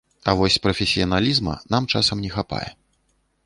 А вось прафесіяналізма нам часам не хапае.